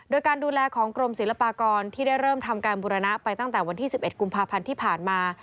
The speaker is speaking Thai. โดยการดูแลของกรมศิลปากรที่ได้เริ่มทำการบุรณะไปตั้งแต่วันที่๑๑กุมภาพันธ์ที่ผ่านมา